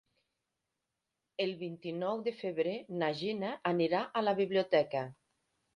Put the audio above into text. El vint-i-nou de febrer na Gina anirà a la biblioteca.